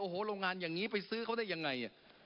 โอ้โหโรงงานอย่างนี้ไปซื้อเขาได้ยังไง